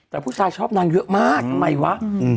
แต่ผู้ชายชอบนางเยอะมากทำไมวะ